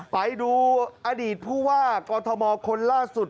ไปดูอดีตผู้ว่ากอทมคนล่าสุด